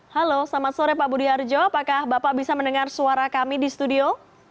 halo selamat sore pak budi harjo apakah bapak bisa mendengar suara kami di studio